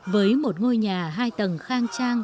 với một ngôi nhà hai tầng khang trang